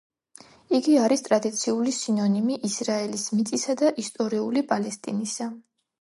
იგი არის ტრადიციული სინონიმი ისრაელის მიწისა და ისტორიული პალესტინისა.